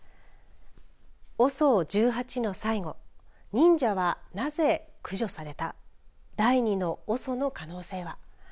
ＯＳＯ１８の最期忍者はなぜ駆除された第２のＯＳＯの可能性は。